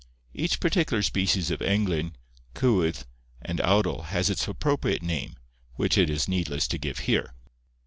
Each particular species of englyn, cywydd, and awdl has its appropriate name, which it is needless to give here.